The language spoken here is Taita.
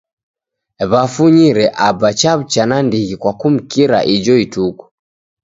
Wafunyire Aba chaw'ucha nandighi kwa kumkira ijo ituku.